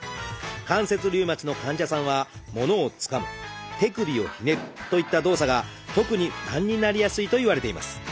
関節リウマチの患者さんは「物をつかむ」「手首をひねる」といった動作が特に負担になりやすいといわれています。